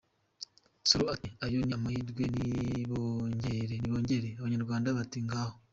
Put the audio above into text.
Nsoro ati "Ayo ni amahirwe, nibongere !" Abanyarwanda bati "Ngaho".